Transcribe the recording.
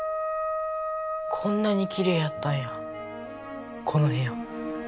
こんなにきれいやったんやこのへや。